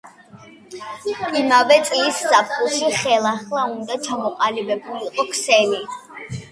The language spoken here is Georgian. იმავე წლის ზაფხულში ხელახლა უნდა ჩამოყალიბებულიყო ქსელი.